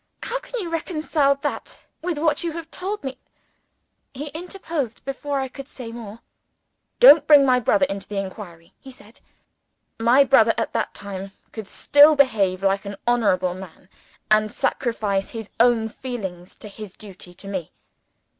How can you reconcile that with what you have told me " He interposed before I could say more. "Don't bring my brother into the inquiry," he said. "My brother, at that time, could still behave like an honorable man, and sacrifice his own feelings to his duty to me.